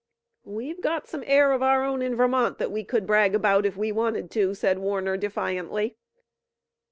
"We've got some air of our own in Vermont that we could brag about, if we wanted to," said Warner, defiantly.